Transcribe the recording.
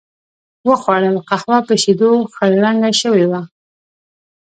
و خوړل، قهوه په شیدو خړ رنګه شوې وه.